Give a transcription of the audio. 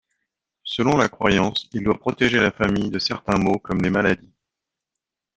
Selon la croyance, il doit protéger la famille de certains maux comme les maladies.